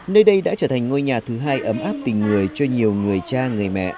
nơi đây đã trở thành ngôi nhà thứ hai ấm áp tình người cho nhiều người cha người mẹ